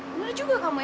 bener juga kamu ya